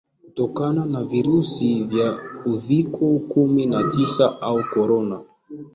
kutokana na virusi vya uviko kumi na tisa au Corona